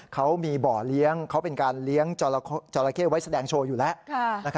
เขามีบ่อเลี้ยงเขาเป็นการเลี้ยงจราเข้ไว้แสดงโชว์อยู่แล้ว